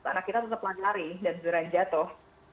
anak kita tetap lari lari dan beneran jatuh